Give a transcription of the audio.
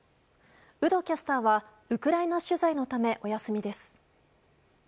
有働キャスターはウクライナ取材のためお休みです。